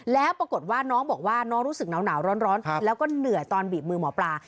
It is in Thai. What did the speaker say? แล้วปรากฏว่าน้องบอกว่าน้องรู้สึกหนาวร้อนแล้วก็เหนื่อยตอนบีบมือหมอปลา